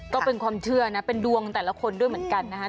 ก็เป็นความเชื่อนะเป็นดวงแต่ละคนด้วยเหมือนกันนะฮะ